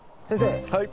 先生。